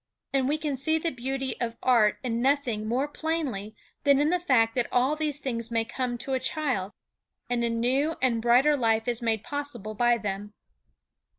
And we can see the beauty of art in nothing more plainly than in the fact that all these things may come to a child, and a new and brighter life is made possible by them.